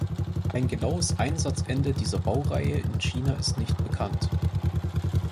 Ein genaues Einsatzende dieser Baureihe in China ist nicht bekannt.